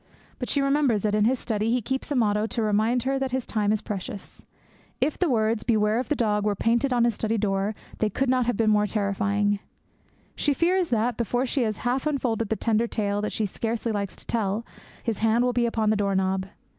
But she remembers that in his study he keeps a motto to remind her that his time is precious. If the words 'Beware of the dog!' were painted on his study door, they could not be more terrifying. She fears that, before she has half unfolded the tender tale that she scarcely likes to tell, his hand will be upon the doorknob.